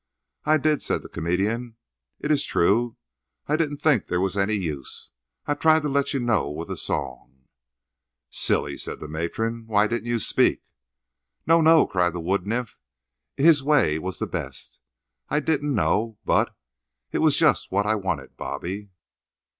"I did," said the comedian. "It is true. I didn't think there was any use. I tried to let you know with the song." "Silly!" said the matron; "why didn't you speak?" "No, no," cried the wood nymph, "his way was the best. I didn't know, but—it was just what I wanted, Bobby."